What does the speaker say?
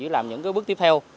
làm những bước tiếp theo